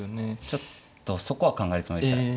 ちょっとそこは考えるつもりでした。